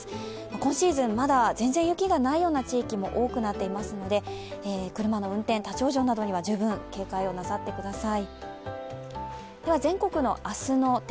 今シーズンまだ全然雪がないような地域も多くなっていますので、車の運転、立往生などには十分警戒なさってください。